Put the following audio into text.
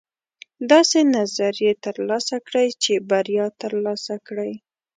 داسې نظریې ترلاسه کړئ چې بریا ترلاسه کړئ.